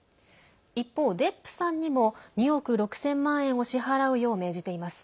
一方、デップさんにも２億６０００万円を支払うよう命じています。